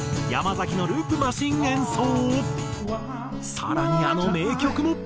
更にあの名曲も。